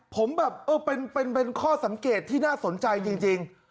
ผมแบบเออเป็นข้อสังเกตที่น่าสนใจจริง